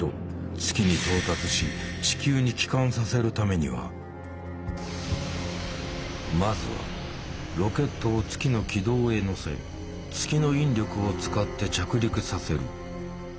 月に到達し地球に帰還させるためにはまずはロケットを月の軌道へ乗せ月の引力を使って着陸させる。